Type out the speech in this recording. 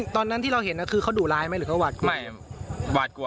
ตอนนั้นที่เราเห็นก็คือเขาดูร้ายไหมหรือเขาหวัดกลัว